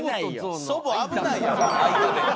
祖母危ないやろ間で。